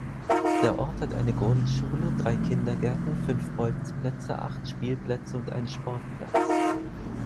Der Ort hat eine Grundschule, drei Kindergärten, fünf Bolzplätze, acht Spielplätze und einen Sportplatz.